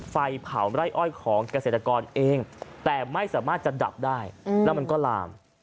ไฟเผาไร่อ้อยของเกษตรกรเองแต่ไม่สามารถจะดับได้แล้วมันก็ลาม